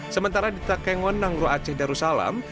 sementara di takengonangro aceh darussalam